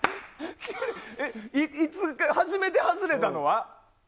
初めて外れたのは？